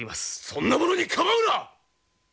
そんなものに構うな！